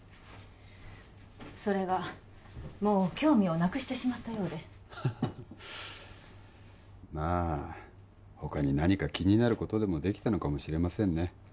それがもう興味をなくしてしまったようでハハハまあ他に何か気になることでもできたのかもしれませんね